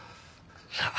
さあ。